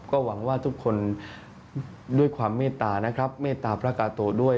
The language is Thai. ก็หวังว่าทุกคนด้วยความเมตตานะครับเมตตาพระกาโตด้วย